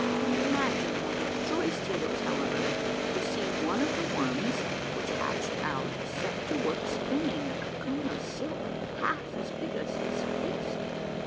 " Imagine how rejoiced he was, however, to see one of the worms which hatched out set to work spinning a cocoon of silk half as big as his fist.